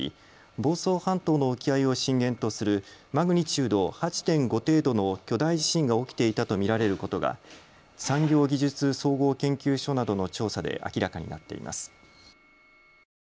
房総半島の沖合を震源とするマグニチュード８．５程度の巨大地震が起きていたと見られることが産業技術総合研究所などの調査で明らかになっています。